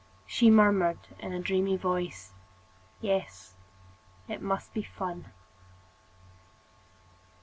She murmured in a dreamy voice: "Yes, it must be fun!"